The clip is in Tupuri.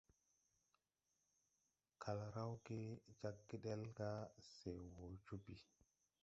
Kal rawge jag gedel ga se wɔ joo bii.